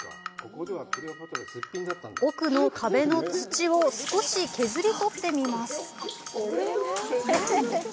奥の壁の土を少し削り取ってみます。